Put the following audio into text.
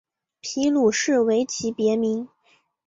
皮鲁士为其别名。